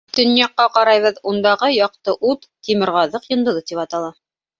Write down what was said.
Төньяҡҡа ҡарайбыҙ, ундағы яҡты ут Тимерғаҙыҡ йондоҙо тип атала.